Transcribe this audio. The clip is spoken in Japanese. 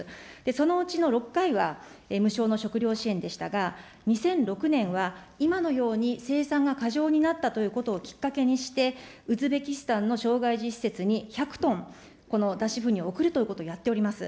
そのうちの６回は、無償の食糧支援でしたが、２００６年は今のように生産が過剰になったということをきっかけにして、ウズベキスタンの障害児施設に１００トン、この脱脂粉乳を送るということをやっております。